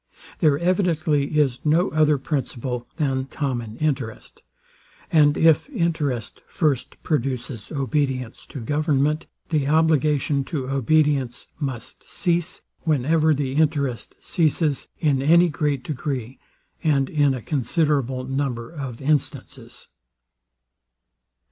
There evidently is no other principle than public interest; and if interest first produces obedience to government, the obligation to obedience must cease, whenever the interest ceases, in any great degree, and in a considerable number of instances.